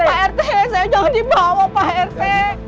pak rt saya jauh dibawa pak rt